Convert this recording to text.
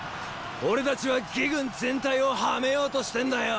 俺達は魏軍全体をはめようとしてんだよ。